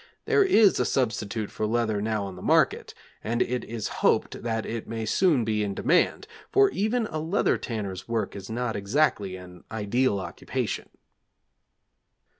There is a substitute for leather now on the market, and it is hoped that it may soon be in demand, for even a leather tanner's work is not exactly an ideal occupation.